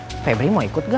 saya pedro bahasa indonesia